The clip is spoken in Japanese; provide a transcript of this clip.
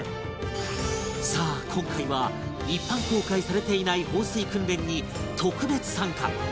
さあ今回は一般公開されていない放水訓練に特別参加